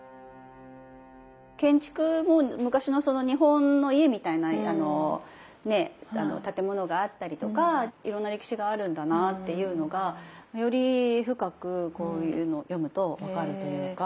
建築も昔の日本の家みたいな建物があったりとかいろんな歴史があるんだなっていうのがより深くこういうのを読むと分かるというか。